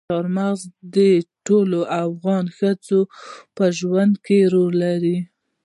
چار مغز د ټولو افغان ښځو په ژوند کې رول لري.